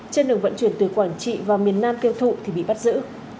trên đường vận chuyển từ quảng trị vào miền nam tiêu thụ thì bị bắt giữ